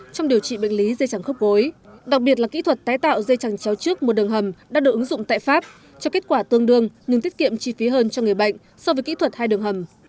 trong điều trị bệnh lý dây chẳng khớp gối đặc biệt là kỹ thuật tái tạo dây chẳng chéo trước một đường hầm đã được ứng dụng tại pháp cho kết quả tương đương nhưng tiết kiệm chi phí hơn cho người bệnh so với kỹ thuật hai đường hầm